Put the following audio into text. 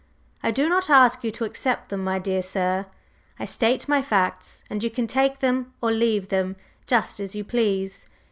"I do not ask you to accept them, my dear sir! I state my facts, and you can take them or leave them, just as you please.